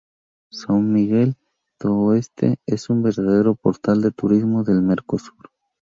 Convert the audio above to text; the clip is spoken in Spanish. São Miguel do Oeste es un verdadero portal de turismo del Mercosur.